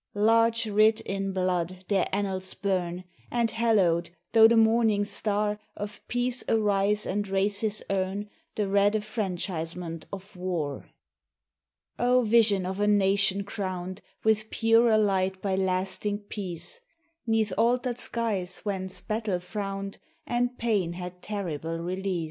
Large writ in blood their annals burn, And hallowed, tho' the morning star Of Peace arise and races earn The red affranchisement of War. O vision of a nation crowned With purer light by lasting Peace, 'Neath altered skies whence Battle frowned And Pain had terrible release!